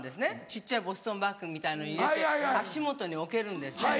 小っちゃいボストンバッグみたいなのに入れて足元に置けるんですね。